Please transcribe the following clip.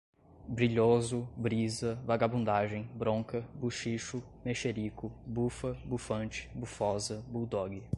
brilhoso, brisa, vagabundagem, bronca, buchicho, mexerico, bufa, bufante, bufósa, buldogue